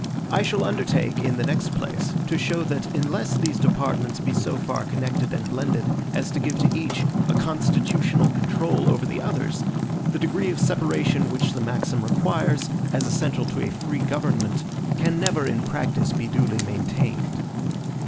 I shall undertake, in the next place, to show that unless these departments be so far connected and blended as to give to each a constitutional control over the others, the degree of separation which the maxim requires, as essential to a free government, can never in practice be duly maintained.